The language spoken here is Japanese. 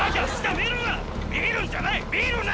見るんじゃない見るな！